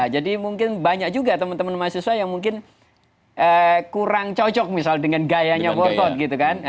jadi mungkin banyak juga teman teman mahasiswa yang mungkin kurang cocok misalnya dengan gayanya forkot